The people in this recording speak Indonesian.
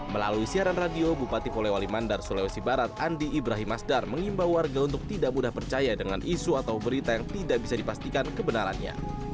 melalui siaran radio bupati polewali mandar sulawesi barat andi ibrahim masdar mengimbau warga untuk tidak mudah percaya dengan isu atau berita yang tidak bisa dipastikan kebenarannya